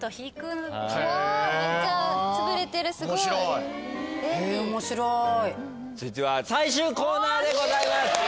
続いては最終コーナーでございます！